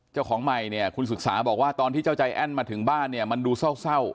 เจ้าของใหม่เนี่ยคุณศึกษาบอกว่าตอนที่เจ้าใจแอ้นมาถึงบ้านเนี่ยมันดูเศร้า